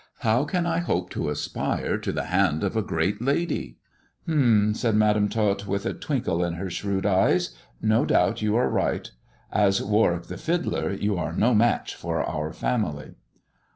How can I hope to aspire to the hand of a great lady 1 "" H'm," said Madam Tot, with a twinkle in her shrewd eyes, " no doubt you are right. As Warwick the fiddler, you are no match for our family."